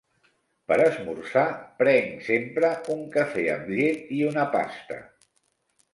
Per esmorzar, prenc sempre un cafè amb llet i una pasta.